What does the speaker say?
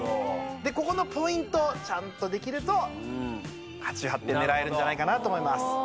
でここのポイントちゃんとできると８８点狙えるんじゃないかなと思います。